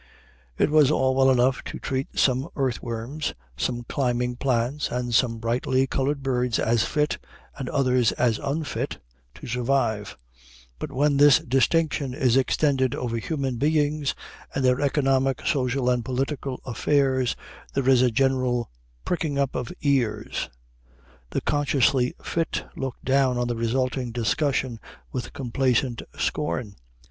It was all well enough to treat some earthworms, some climbing plants, and some brightly colored birds as fit, and others as unfit, to survive; but when this distinction is extended over human beings and their economic, social, and political affairs, there is a general pricking up of ears. The consciously fit look down on the resulting discussions with complacent scorn.